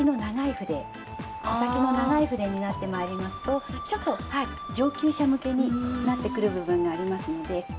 穂先の長い筆になってまいりますとちょっと上級者向けになってくる部分がありますので。